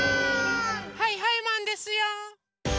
はいはいマンですよ！